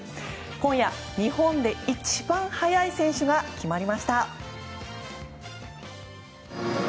今夜、日本で一番速い選手が決まりました。